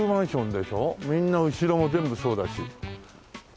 みんな後ろも全部そうだし。